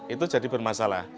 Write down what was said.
itu jadi bermasalah